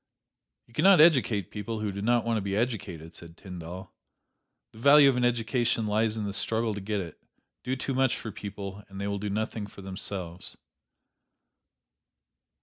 "You can not educate people who do not want to be educated," said Tyndall. The value of an education lies in the struggle to get it. Do too much for people, and they will do nothing for themselves.